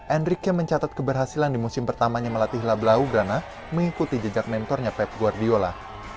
enrique mencatat keberhasilan di musim pertamanya melatih blaugrana mengikuti jejak mentornya pep guardiola